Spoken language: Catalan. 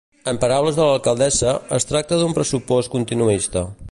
En paraules de l'alcaldessa, es tracta d'un pressupost continuista.